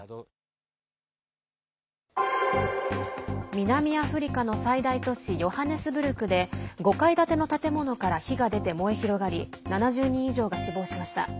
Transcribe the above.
南アフリカの最大都市ヨハネスブルクで５階建ての建物から火が出て燃え広がり７０人以上が死亡しました。